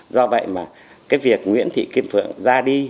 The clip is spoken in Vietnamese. do vậy mà cái việc nguyễn thị kim phượng ra đi